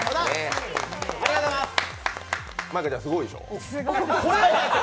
舞香ちゃん、すごいでしょ。